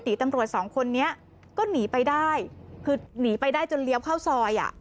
ตำรวจสองคนนี้ก็หนีไปได้คือหนีไปได้จนเลี้ยวเข้าซอยอ่ะ